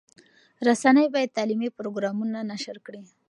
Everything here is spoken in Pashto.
رسنۍ باید تعلیمي پروګرامونه نشر کړي.